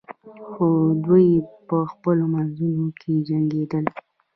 خو دوی په خپلو منځو کې جنګیدل.